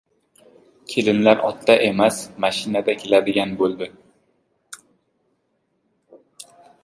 Kelinlar otda emas, mashinada keladigan bo‘ldi.